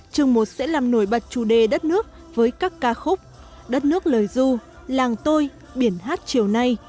chương một sẽ làm nổi bật chủ đề đất nước với các ca khúc đất nước lời du làng tôi biển hát chiều nay